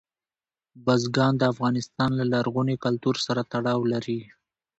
بزګان د افغانستان له لرغوني کلتور سره تړاو لري.